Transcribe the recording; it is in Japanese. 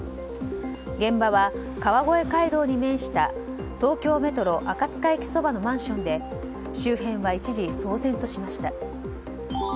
現場は川越街道に面した東京メトロ赤塚駅そばのマンションで周辺は一時、騒然としました。